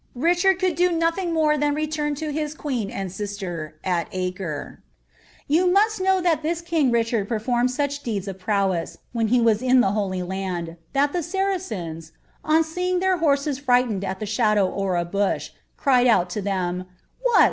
Richard could do nothing more than re R queen and sister, at Acre. tnuei know thai this king Richard performed such deeds of Vrhen he was in the Holy Land, that the Saracens, on seeing n frightened ai aahadow or a bush, cried out lo litem, ' What!